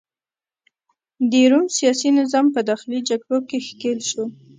د روم سیاسي نظام په داخلي جګړو کې ښکیل شو.